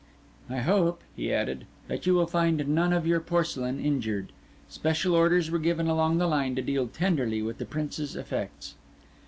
"I hope," he added, "that you will find none of your porcelain injured. Special orders were given along the line to deal tenderly with the Prince's effects."